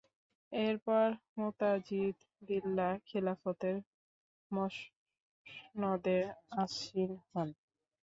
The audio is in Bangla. এরপর মুতাযিদ বিল্লাহ খিলাফতের মসনদে আসীন হন।